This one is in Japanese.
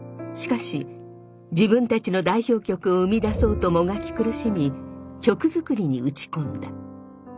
しかし自分たちの代表曲を生み出そうともがき苦しみ曲作りに打ち込んだ。